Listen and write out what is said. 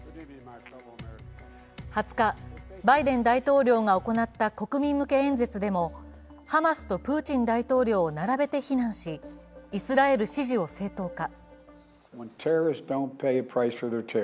２０日、バイデン大統領が行った国民向け演説でもハマスとプーチン大統領を並べて非難しイスラエル支持を正当化。